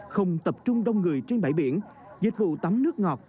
không tập trung đông người trên bãi biển dịch vụ tắm nước ngọt